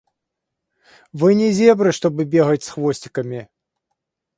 Вы не зебры, чтобы бегать с хвостиками.